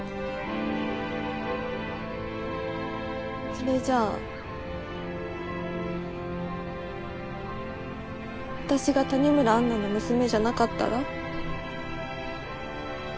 それじゃ私が谷村安奈の娘じゃなかったら？